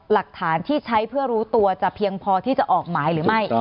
หลักฐานที่ใช้เพื่อรู้ตัวจะเพียงพอที่จะออกหมายหรือไม่